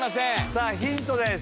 さぁヒントです！